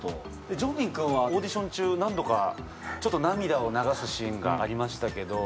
ジョンミン君はオーディション中何度か涙を流すシーンがありましたけど。